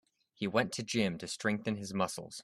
He went to gym to strengthen his muscles.